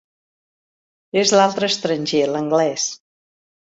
És l'altre estranger, l'Anglès.